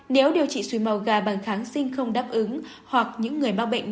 nếu điều trị suối màu gà bằng kháng sinh không đáp ứng